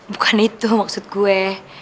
bukan itu maksud gue